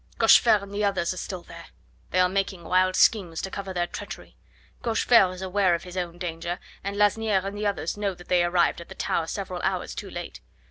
Cochefer and the others are still there. They are making wild schemes to cover their treachery. Cochefer is aware of his own danger, and Lasniere and the others know that they arrived at the Tower several hours too late.